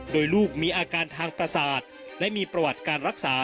โดยลูกมีอาการทางประสาทและมีประวัติการรักษา